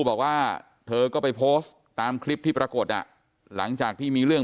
บอกว่าเธอก็ไปโพสต์ตามคลิปที่ปรากฏอ่ะหลังจากที่มีเรื่อง